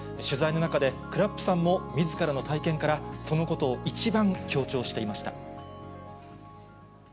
取材の中で、くらっＰさんもみずからの体験から、そのことを一番、強調していました。